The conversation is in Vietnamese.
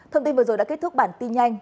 thông tin vừa rồi đã kết thúc bản tin nhanh